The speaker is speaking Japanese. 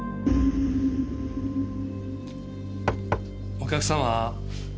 お客様？